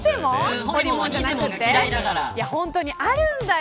本当にあるんだよ。